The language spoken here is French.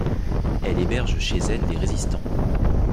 Elle héberge chez elle des résistants.